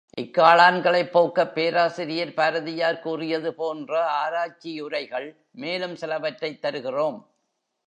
இக்காளான்களைப் போக்கப் பேராசிரியர் பாரதியார் கூறியது போன்ற ஆராய்ச்சியுரைகள் மேலும் சிலவற்றைத் தருகிறோம்.